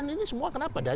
ini semua kenapa